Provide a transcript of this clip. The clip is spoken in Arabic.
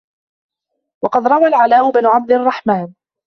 وَقَدْ رَوَى الْعَلَاءُ بْنُ عَبْدِ الرَّحْمَنِ